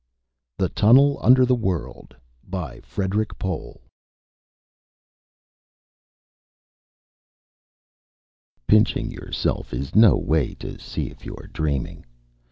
The Tunnel Under The World By FREDERIK POHL Pinching yourself is no way to see if you are dreaming.